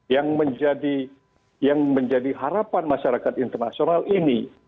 yang menjadi harapan masyarakat internasional ini